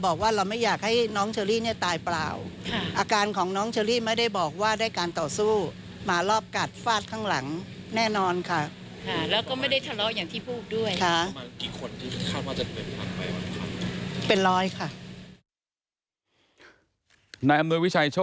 บอกว่าตำรวจค่อยบอกอะไรว่าขอเวลาในการทำงาน๗วันในการตามตัวคนร้าย